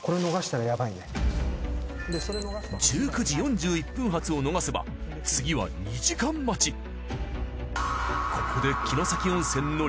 １９時４１分発を逃せば次は２時間待ち。